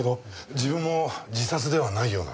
自分も自殺ではないような。